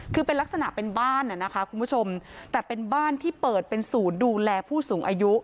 คือเป็นลักษณะเป็นบ้านนะคะคุณผู้ชมแต่เป็นบ้านที่เปิดเป็นศูนย์ดูแลผู้สูงอายุ